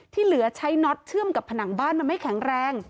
ที่เหลือใช้น็อตเชื่อมกับผนังบ้านมันไม่แข็งแรง